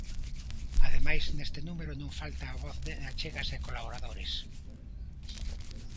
Ademais, neste número non falta a voz de achegas e colaboradores.